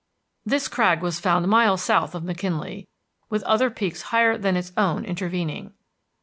This crag was found miles south of McKinley, with other peaks higher than its own intervening.